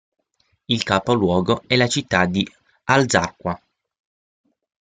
Il capoluogo è la città di al-Zarqa.